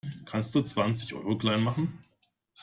Kannst du zwanzig Euro klein machen?